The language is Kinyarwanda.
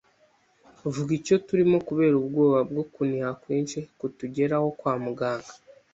vuga icyo turimo, kubera ubwoba bwo kuniha kwinshi kutugeraho kwa muganga